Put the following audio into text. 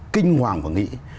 kinh hoàng và nghĩ